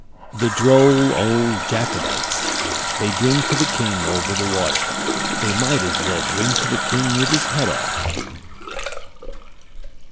The droll old Jacobites! They drink to the king over the water. They might as well drink to the king with his head off!